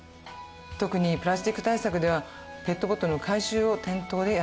特にプラスチック対策ではペットボトルの回収を店頭でやらせて頂いてます。